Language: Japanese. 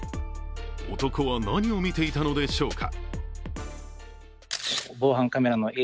男は、何を見ていたのでしょうか。